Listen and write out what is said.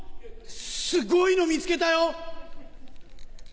すごいの見つけたよ。